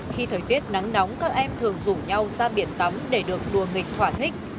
khi thời tiết nắng nóng các em thường rủ nhau ra biển tắm để được đùa nghịch thỏa thích